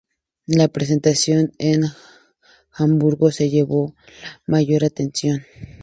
La presentación en Hamburgo se llevó la mayor atención.